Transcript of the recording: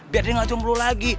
biar dia gak cemburu lagi